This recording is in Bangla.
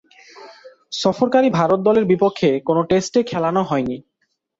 সফরকারী ভারত দলের বিপক্ষে কোন টেস্টে খেলানো হয়নি।